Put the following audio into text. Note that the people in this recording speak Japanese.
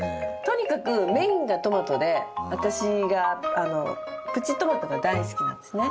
とにかくメインがトマトで私がプチトマトが大好きなんですね。